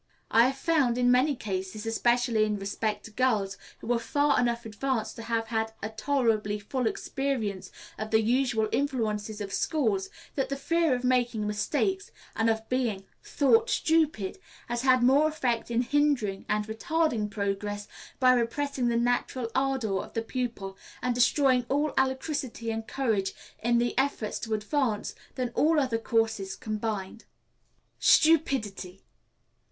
I have found in many cases, especially in respect to girls who are far enough advanced to have had a tolerably full experience of the usual influences of schools, that the fear of making mistakes, and of being "thought stupid," has had more effect in hindering and retarding progress, by repressing the natural ardor of the pupil, and destroying all alacrity and courage in the efforts to advance, than all other causes combined. Stupidity.